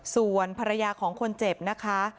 ส่วนภรรยาของคนเจ็บนะคะ